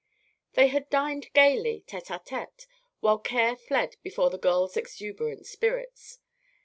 They had dined gayly, tete a tete, while care fled before the girl's exuberant spirits.